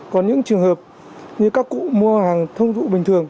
còn những trường hợp như các cụ mua hàng thông dụng bình thường